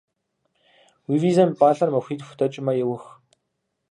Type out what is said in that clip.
Уи визэм и пӏалъэр махуитху дэкӏмэ еух.